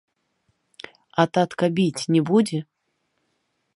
А татка біць не будзе?